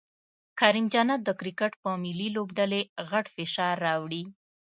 کریم جنت د کرکټ په ملي لوبډلې غټ فشار راوړي